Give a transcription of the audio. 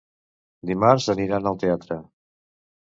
Dimarts aniran al teatre.